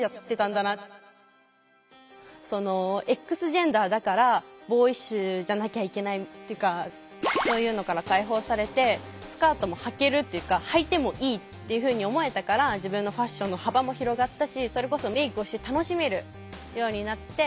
Ｘジェンダーだからボーイッシュじゃなきゃいけないっていうかそういうのから解放されてスカートもはけるっていうかはいてもいいっていうふうに思えたから自分のファッションの幅も広がったしそれこそメークをして楽しめるようになって。